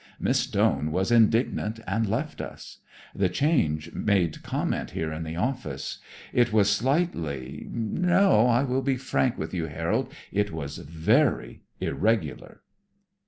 Miss Doane was indignant and left us. The change made comment here in the office. It was slightly No, I will be frank with you, Harold, it was very irregular."